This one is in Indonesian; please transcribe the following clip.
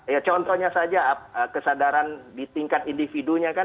ya contohnya saja kesadaran di tingkat individunya kan